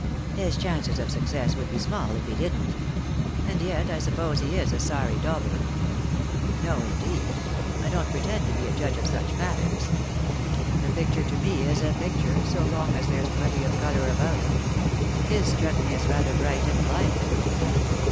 " His chances of success would be small if he didn't." " And yet, I suppose, he is a sorry dauber ?"" No, indeed. I don't pretend to be a judge of such matters. A picture to me is a picture, so long as there's plenty of colour about it. His struck me as rather bright and lively."